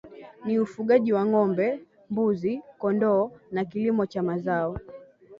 ni ufugaji wa Ngombe Mbuzi Kondoo na kilimo cha mazao